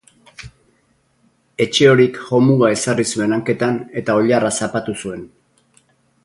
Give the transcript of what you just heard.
Etxehorik jomuga ezarri zuen hanketan eta oilarra zapatu zuen.